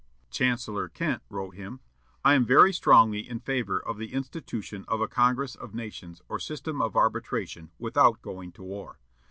Chancellor Kent wrote him, "I am very strongly in favor of the institution of a congress of nations or system of arbitration without going to war.